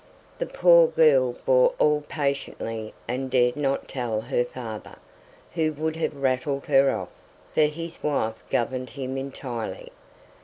The poor girl bore all patiently, and dared not tell her father, who would have rattled her off; for his wife governed him entirely.